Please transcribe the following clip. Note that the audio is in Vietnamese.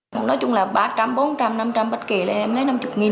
nói chung là ba trăm linh bốn trăm linh năm trăm linh bất kể là em lấy năm mươi